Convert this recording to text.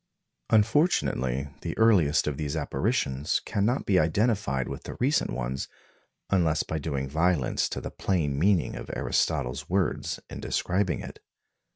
Unfortunately, the earliest of these apparitions cannot be identified with the recent ones unless by doing violence to the plain meaning of Aristotle's words in describing it.